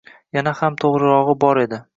Yana ham to’g’rirog’i bor edi.